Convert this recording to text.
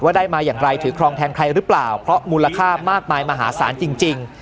ได้มาอย่างไรถือครองแทนใครหรือเปล่าเพราะมูลค่ามากมายมหาศาลจริง